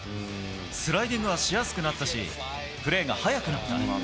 スライディングはしやすくなったし、プレーが速くなった。